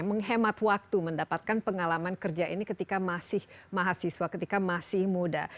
menghemat waktu mendapatkan pengalaman kerja ini ketika masih mahasiswa ketika masih muda